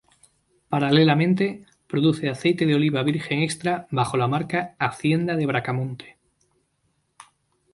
Paralelamente, produce aceite de oliva virgen extra bajo la marca Hacienda de Bracamonte.